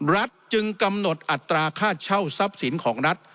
รัฐจึงกำหนดอัตราค่าเช่าทรัพย์สินของรัฐ